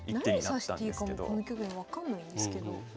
何指していいかこの局面分かんないんですけど。